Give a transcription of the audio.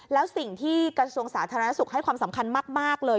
แล้วสิ่งที่กระทรวงสาธารณสุขให้ความสำคัญมากเลย